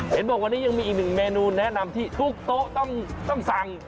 เห็นบอกวันนี้ยังมีอีกหนึ่งเมนูแนะนำที่ทุกโต๊ะต้องสั่ง